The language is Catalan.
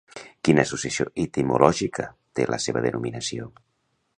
Quina associació etimològica té la seva denominació?